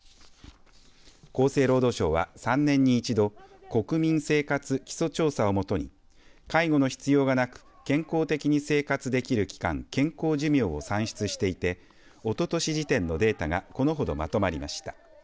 厚生労働省は３年に１度国民生活基礎調査をもとに介護の必要がなく健康的に生活できる期間健康寿命を算出していておととし時点のデータがこのほど、まとまりました。